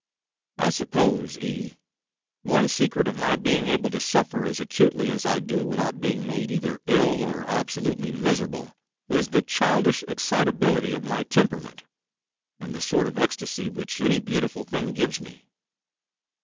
I suppose, E , one secret of my being able to suffer as acutely as I do without being made either ill or absolutely miserable, is the childish excitability of my temperament, and the sort of ecstacy which any beautiful thing gives me.